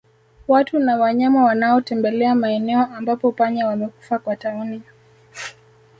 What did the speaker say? Watu na wanyama wanaotembelea maeneo ambapo panya wamekufa kwa tauni